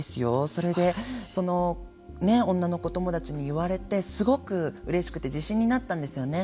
それで、女の子友達に言われてすごくうれしくて自信になったんですよね。